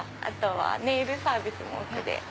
あとはネイルサービスも奥で。